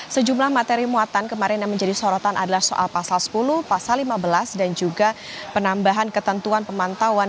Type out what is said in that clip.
sejumlah materi muatan kemarin yang menjadi sorotan adalah soal pasal sepuluh pasal lima belas dan juga penambahan ketentuan pemantauan